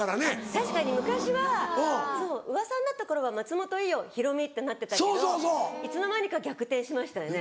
確かに昔はそううわさになった頃は「松本伊代ヒロミ」ってなってたけどいつの間にか逆転しましたよね。